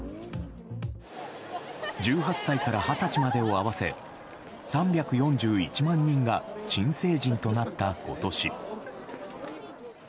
１８歳から二十歳までを合わせ３４１万人が新成人となった今年。